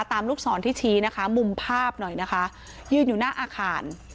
ลูกศรที่ชี้นะคะมุมภาพหน่อยนะคะยืนอยู่หน้าอาคาร